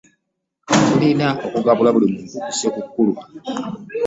Tulina okugabula buli muntu ku sekukkulu.